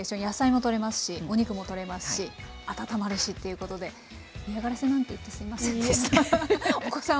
野菜もとれますしお肉もとれますし温まるしということで嫌がらせなんて言ってすいませんでした。